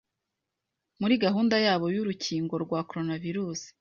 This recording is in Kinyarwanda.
muri gahunda yabo y'urukingo rwa Coronavirus